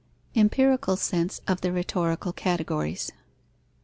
_Empirical sense of the rhetorical categories.